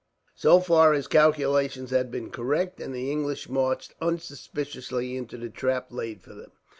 So far his calculations had been correct, and the English marched unsuspiciously into the trap laid for them.